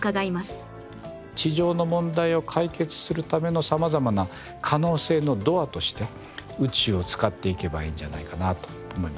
地上の問題を解決するための様々な可能性のドアとして宇宙を使っていけばいいんじゃないかなと思いますね。